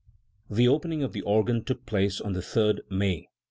173 The opening of the organ took place on the 3rd May.